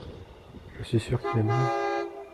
Je suis sûr qu’il aimerait.